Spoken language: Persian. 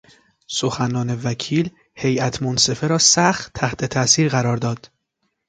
سخنان وکیل هیات منصفه را سخت تحت تاثیر قرار داد.